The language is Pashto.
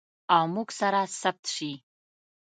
او موږ سره ثبت شي.